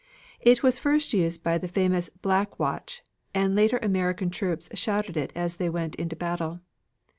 It was first used by the famous "Black Watch" and later American troops shouted it as they went into battle.